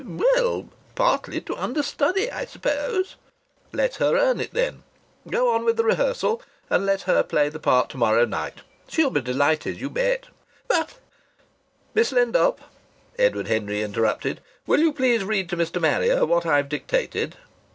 "Well partly to understudy, I suppose." "Let her earn it, then. Go on with the rehearsal. And let her play the part to morrow night. She'll be delighted, you bet." "But " "Miss Lindop," Edward Henry interrupted, "will you please read to Mr. Marrier what I've dictated?"